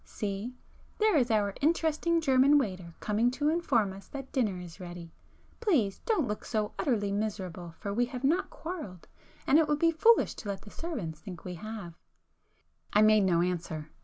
See, there is our interesting German waiter coming to inform us that dinner is ready; please don't look so utterly miserable, for we have not quarrelled, and it would be foolish to let the servants think we have." I made no answer.